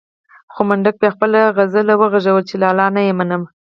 خو منډک بيا خپله سندره وغږوله چې لالا نه يې منم.